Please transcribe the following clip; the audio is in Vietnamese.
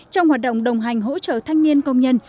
trong hoạt động đồng hành hỗ trợ thanh niên công nhân